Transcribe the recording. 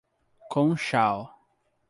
Conchal